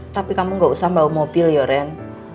tapi kamu gak usah bawa mobil ya ren